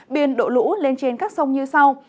biên độ lũ lên trên các sông như sau